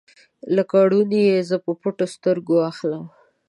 لکه ړوند یې زه په پټو سترګو اخلم